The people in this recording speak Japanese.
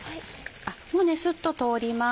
もうスッと通ります。